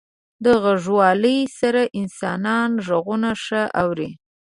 • د غوږوالۍ سره انسانان ږغونه ښه اوري.